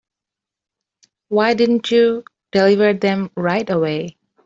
Why didn't you deliver them right away?